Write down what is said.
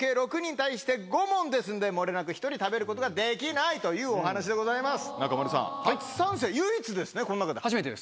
合計６人に対して、５問ですので、もれなく１人食べることができないというお話でございます。